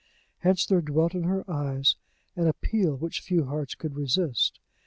Hence there dwelt in her eyes an appeal which few hearts could resist.